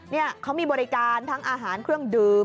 นี่เขามีบริการทั้งอาหารเครื่องดื่ม